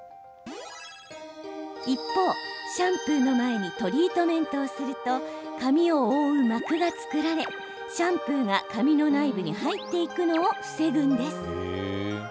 一方、シャンプーの前にトリートメントをすると髪を覆う膜が作られシャンプーが髪の内部に入っていくのを防ぐんです。